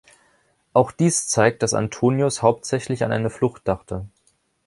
Auch dies zeigt, dass Antonius hauptsächlich an eine Flucht dachte.